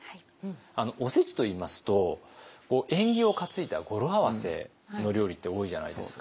おせちといいますと縁起を担いだ語呂合わせの料理って多いじゃないですか。